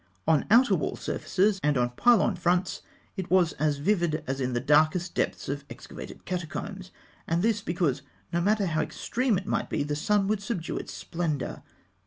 On outer wall surfaces and on pylon fronts, it was as vivid as in the darkest depths of excavated catacombs; and this because, no matter how extreme it might be, the sun would subdue its splendour.